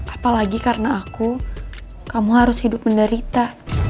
apalagi karena aku kamu harus hidup menderita